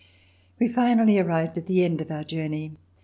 We finally arrived at the end of our journey.